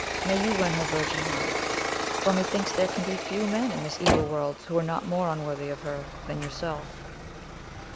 May you win her virgin heart; for methinks there can be few men in this evil world who are not more unworthy of her than yourself."